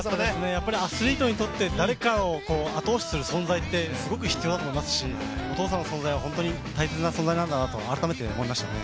やっぱりアスリートにとって誰かを後押しする存在ってすごく必要だと思いますしお父さんの存在は本当に大切な存在なんだと改めて思いましたね。